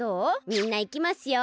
みんないきますよ。